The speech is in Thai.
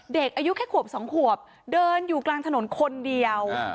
เด็กอายุแค่ขวบสองขวบเดินอยู่กลางถนนคนเดียว